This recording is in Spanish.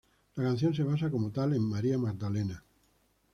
La canción se basa como tal en María Magdalena